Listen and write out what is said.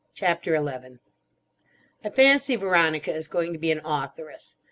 CHAPTER XI I FANCY Veronica is going to be an authoress.